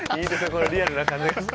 このリアルな感じが。